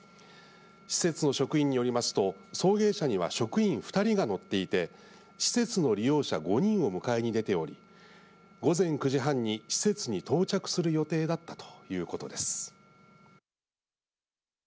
施設の職員によりますと送迎車には職員２人が乗っていて施設の利用者５人を迎えに出ており午前９時半に施設に到着する予定だったということです。